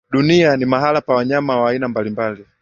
Dunia ni mahali pa wanyama wa aina mbalimbali.